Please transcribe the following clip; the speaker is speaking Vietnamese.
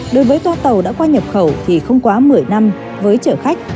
đối với toa tàu đã qua nhập khẩu thì không quá một mươi năm với chở khách